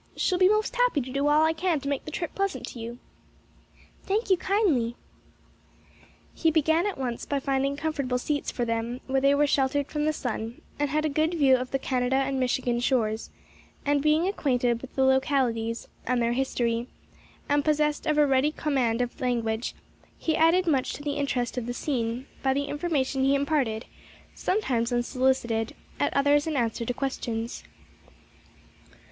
Shall be most happy to do all I can to make the trip pleasant to you." "Thank you kindly." He began at once by finding comfortable seats for them where they were sheltered from the sun, and had a good view of the Canada and Michigan shores; and being acquainted with the localities, and their history, and possessed of a ready command of language, he added much to the interest of the scene by the information he imparted; sometimes unsolicited, at others in answer to questions.